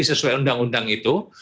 sesuai undang undang itu